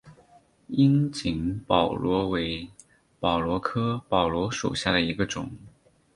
樱井宝螺为宝螺科宝螺属下的一个种。